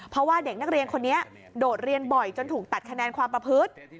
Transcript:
เพราะว่าเด็กนักเรียนคนนี้โดดเรียนบ่อยจนถูกตัดคะแนนความประพฤติ